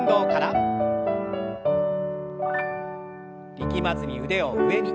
力まずに腕を上に。